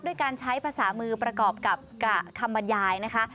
ด้วยการใช้ภาษามือประกอบกับกะคำบรรยายนะคะ